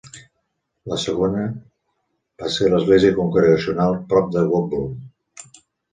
La segona va ser l'Església Congregacional prop de Woodburn.